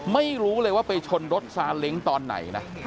ไม่รู้เลยว่าไปชนรถซาเล้งตอนไหนนะ